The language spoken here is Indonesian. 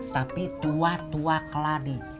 tapi tua tua keladi